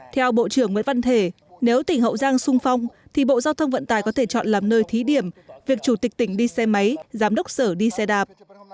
theo bộ trưởng nguyễn văn thể nếu tỉnh hậu giang sung phong thì bộ giao thông vận tài có thể chọn làm nơi thí điểm việc chủ tịch tỉnh đi xe máy giám đốc sở đi xe đạp